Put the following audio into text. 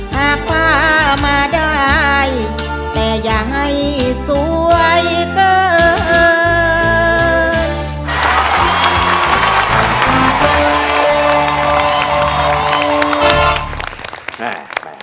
หากฟ้ามาได้แต่อย่าให้สวยเกิน